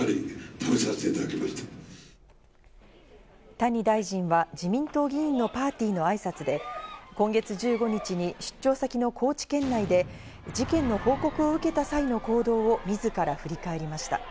谷大臣は、自民党議員のパーティーの挨拶で、今月１５日に出張先の高知県内で事件の報告を受けた際の行動を自ら振り返りました。